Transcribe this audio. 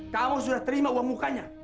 kamu sudah terima uang mukanya